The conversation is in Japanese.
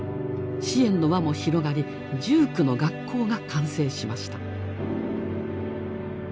支援の輪も広がり１９の学校が完成しました。